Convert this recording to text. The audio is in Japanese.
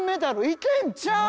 いけんちゃう？